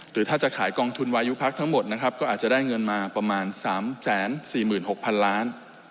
หรือถ้าจะขายกองทุนวายุพักทั้งหมดนะครับก็อาจจะได้เงินมาประมาณ๓๔๖๐๐๐ล้าน